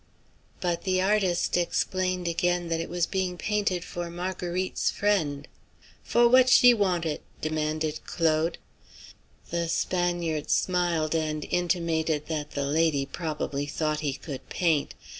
But the artist explained again that it was being painted for Marguerite's friend. "For what she want it?" demanded Claude. The Spaniard smiled and intimated that the lady probably thought he could paint.